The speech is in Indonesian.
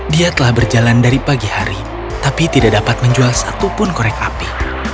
dia telah berjalan dari pagi hari tapi tidak dapat menjual satupun korek api